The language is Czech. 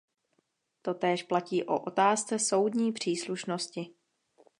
Totéž platí o otázce soudní příslušnosti.